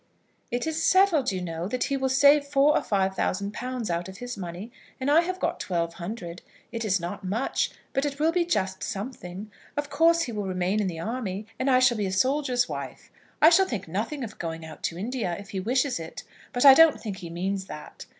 "It is settled, you know, that he will save four or five thousand pounds out of his money, and I have got twelve hundred. It is not much, but it will be just something. Of course he will remain in the army, and I shall be a soldier's wife. I shall think nothing of going out to India, if he wishes it; but I don't think he means that.